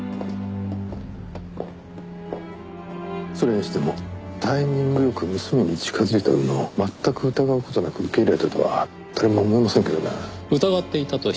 それにしてもタイミング良く娘に近づいた宇野を全く疑う事なく受け入れたとは誰も思えませんけどね。